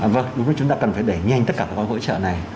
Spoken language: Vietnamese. vâng đúng với chúng ta cần phải đẩy nhanh tất cả các gói hỗ trợ này